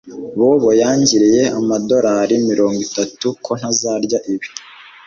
Bobo yangiriye amadorari mirongo itatu ko ntazarya ibi